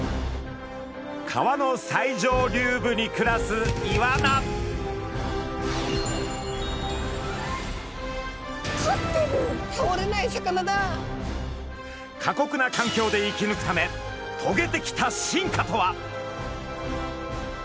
川の最上流部に暮らす過酷な環境で生きぬくためとげてきた進化とは？